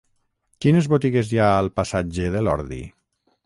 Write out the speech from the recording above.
Quines botigues hi ha al passatge de l'Ordi?